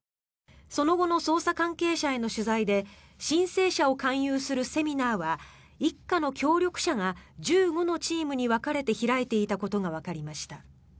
その後の捜査関係者への取材で申請者を勧誘するセミナーは一家の協力者が１５のチームに分かれて開いていたことがわかりました。